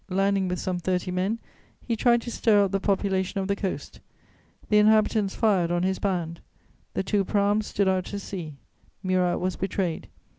Landing with some thirty men, he tried to stir up the population of the coast; the inhabitants fired on his band. The two praams stood out to sea; Murat was betrayed.